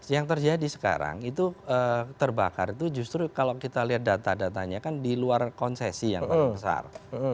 yang terjadi sekarang itu terbakar itu justru kalau kita lihat data datanya kan di luar konsesi yang paling besar